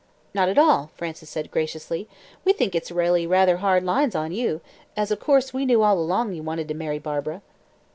"Not at all," Frances said graciously, "we think it's really rather hard lines on you, as, of course we knew all along you wanted to marry Barbara."